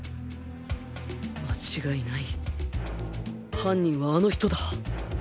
間違いない犯人はあの人だ